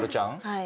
はい。